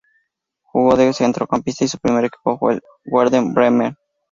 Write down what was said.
Juega de centrocampista y su primer equipo fue el Werder Bremen.